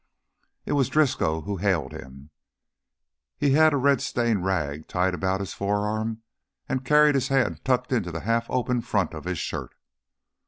It was Driscoll who hailed him. He had a red stained rag tied about his forearm and carried his hand tucked into the half open front of his shirt.